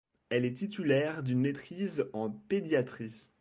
Elle est titulaire d'une maîtrise en pédiatrie.